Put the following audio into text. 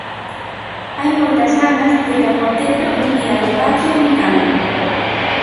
Hai moitas ganas de que aconteza un Día da Patria unitario.